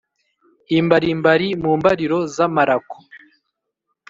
imbarimbari mu mbariro z'amarako